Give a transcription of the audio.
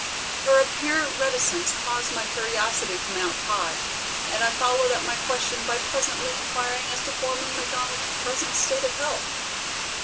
Her apparent reticence caused my curiosity to mount high, and I followed up my question by pleasantly inquiring as to Foreman McDonald's present state of health.